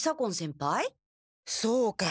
そうか。